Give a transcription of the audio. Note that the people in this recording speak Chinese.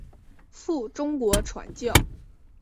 赴中国传教。